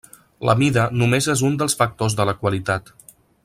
La mida només és un dels factors de la qualitat.